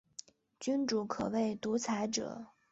君主可为独裁者。